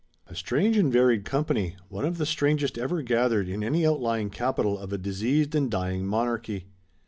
A strange and varied company, one of the strangest ever gathered in any outlying capital of a diseased and dying monarchy.